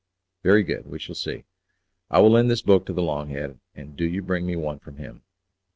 "Very good, we shall see. I will lend this book to the 'long head,' and do you bring me one from him."